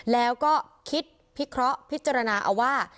แล้วก็คิดพิเคราะห์พิจารณาเอาว่า